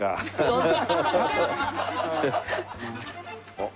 あっ。